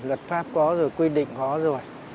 luật pháp có rồi quy định có rồi